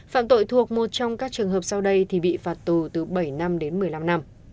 phạm tội thuộc một trong các trường hợp sau đây thì bị phạt tù từ bảy năm đến một mươi năm năm